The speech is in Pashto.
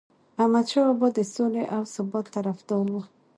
احمدشاه بابا د سولې او ثبات طرفدار و.